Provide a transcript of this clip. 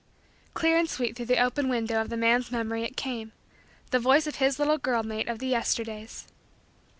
Clear and sweet through the open window of the man's memory it came the voice of his little girl mate of the Yesterdays.